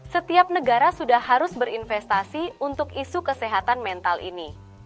setiap negara sudah harus berinvestasi untuk isu kesehatan mental ini